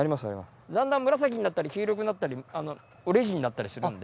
だんだん紫になったり黄色くなったりオレンジになったりするんで。